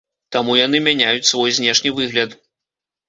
Таму яны мяняюць свой знешні выгляд.